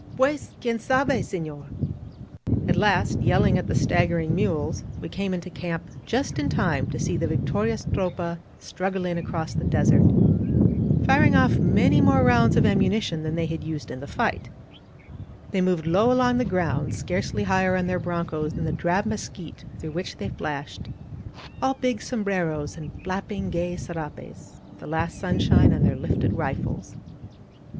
Piies, qvien sabe, seflorT* At last, yelling at the staggering mules, we came into camp just in time to see the victorious Tropa straggle in across the desert, firing off many more rounds of ammunition than they had used in the fig^t, 62 AN OUTPOST OF THE REVOLUTION They moved low along the ground, scarcely higher on their broncos than the drab mesquite through which they flashed, all big sombreros and flapping gay sc rapes, the last sunshine on their lifted rifles.